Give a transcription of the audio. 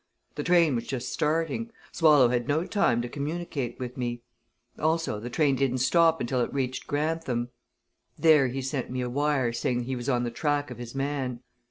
The train was just starting Swallow had no time to communicate with me. Also, the train didn't stop until it reached Grantham. There he sent me a wire, saying he was on the track of his man.